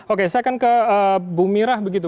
oke saya akan ke bu mirah begitu